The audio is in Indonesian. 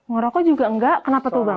ngerokok juga enggak kenapa tuh bang